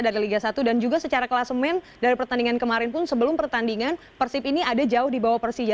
dari liga satu dan juga secara kelasmen dari pertandingan kemarin pun sebelum pertandingan persib ini ada jauh di bawah persija